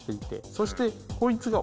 そして。